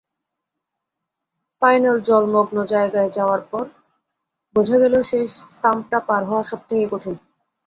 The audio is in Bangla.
ফাইন্যাল জলমগ্ন জায়গায় যাওয়ার পর বোঝা গেল সেই সাম্পটা পার হওয়া সবথেকে কঠিন।